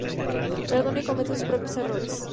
Perdona y comete sus propios errores.